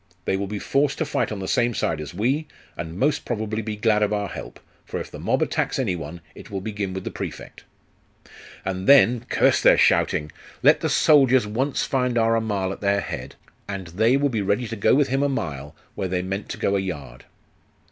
They will be forced to fight on the same side as we, and most probably be glad of our help; for if the mob attacks any one, it will begin with the Prefect.' 'And then Curse their shouting! Let the soldiers once find our Amal at their head, and they will be ready to go with him a mile, where they meant to go a yard.